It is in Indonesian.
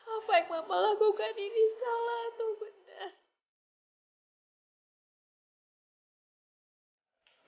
apa yang mama lakukan ini salah atau benar